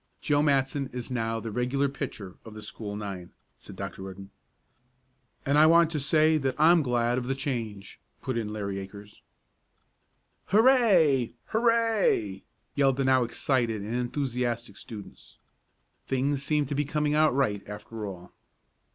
"Joe Matson is now the regular pitcher for the school nine," said Dr. Rudden. "And I want to say that I'm glad of the change," put in Larry Akers. "Hurray! Hurray!" yelled the now excited and enthusiastic students. Things seemed to be coming out right after all.